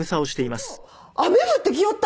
村長雨降ってきよった！